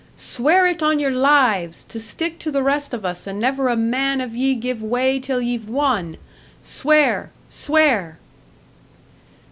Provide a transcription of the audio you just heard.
"Swear it on your lives! To stick to the rest of us, and never a man of ye give way till ye've won! Swear! _Swear!